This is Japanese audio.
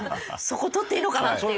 そこ取っていいのかな？っていう。